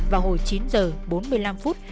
vào hồi chín h bốn mươi năm phút